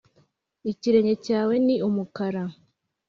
ikirenge cyawe ni umukara,